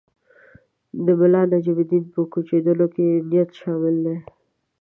د ملانجم الدین په کوچېدلو کې نیت شامل دی.